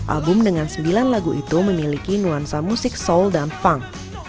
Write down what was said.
album dengan sembilan lagu itu memiliki nuansa musik soul dan funk